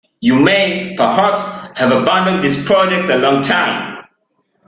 You may, perhaps, have abandoned this project a long time.